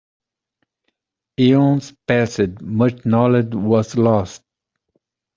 Aeon's passed, much knowledge was lost.